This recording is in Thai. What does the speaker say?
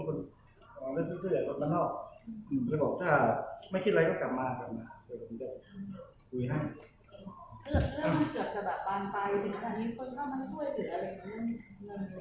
อุ๊ยครับเสือบจากแบบปานไปจนทีสักนิดมีคนเข้ามาช่วยหรืออะไร